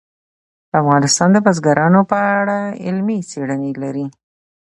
افغانستان د بزګانو په اړه علمي څېړنې لري.